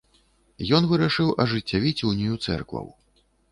Ён вырашыў ажыццявіць унію цэркваў.